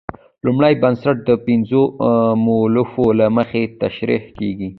لومړی بنسټ د پنځو مولفو له مخې تشرېح کیږي.